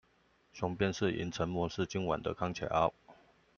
雄辯是銀，沉默是今晚的康橋